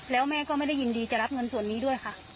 แล้วแม่ก็ไม่ได้ยินดีจะรับเงินส่วนนี้ด้วยค่ะ